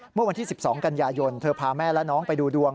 เมื่อวันที่๑๒กันยายนเธอพาแม่และน้องไปดูดวง